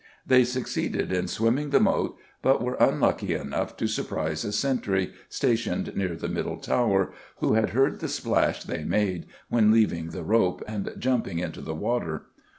They succeeded in swimming the Moat, but were unlucky enough to surprise a sentry, stationed near the Middle Tower, who had heard the splash they made when leaving the rope and jumping into the water.